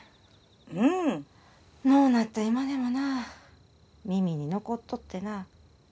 うんのうなった今でもな耳に残っとってなあ